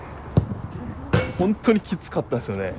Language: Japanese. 本当にきつかったんですよね。